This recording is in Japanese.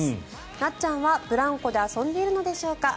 なっちゃんは、ブランコで遊んでいるのでしょうか。